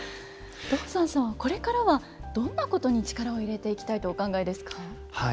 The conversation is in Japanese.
道山さんはこれからはどんなことに力を入れていきたいとお考えですか？